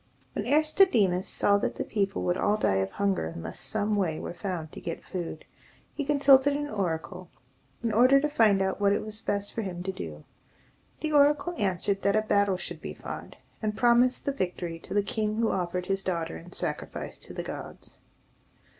When Aristodemus saw that the people would all die of hunger unless some way were found to get food, he consulted an oracle, in order to find out what it was best for him to do. The oracle answered that a battle should be fought, and promised the victory to the king who offered his daughter in sacrifice to the gods.